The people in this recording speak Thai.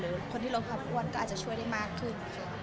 คนที่ลดความอ้วนก็อาจจะช่วยได้มากขึ้น